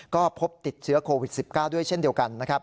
ก็พบติดเชื้อโควิด๑๙ด้วยเช่นเดียวกันนะครับ